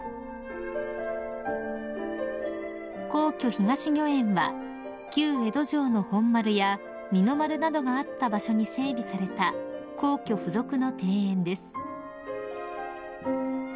［皇居東御苑は旧江戸城の本丸や二の丸などがあった場所に整備された皇居付属の庭園です］